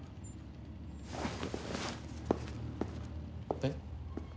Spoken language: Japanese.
えっ？